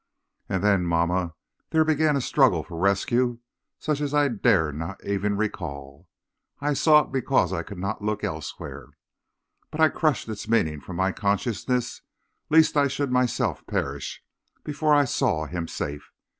"And then, mamma, there began a struggle for rescue such as I dare not even recall. I saw it because I could not look elsewhere, but I crushed its meaning from my consciousness, lest I should myself perish before I saw him safe.